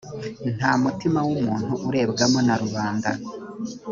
ntamutima wumuntu urebwamo narubanda.